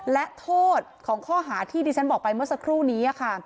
และโทษของข้อหาที่ดิฉันบอกไปเมื่อสักครู่นี้ค่ะ